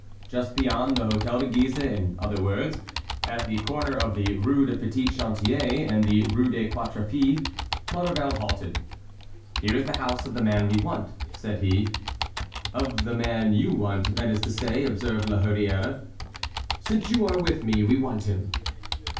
Just beyond the Hôtel de Guise, in other words, at the corner of the Rue du Petit Chantier and the Rue des Quatre Fils, Maurevel halted. "Here is the house of the man we want," said he. "Of the man you want—that is to say"—observed La Hurière. "Since you are with me we want him."